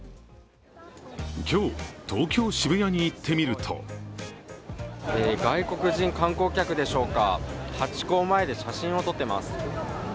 今日、東京・渋谷に行ってみると外国人観光客でしょうか、ハチ公前で写真を撮っています。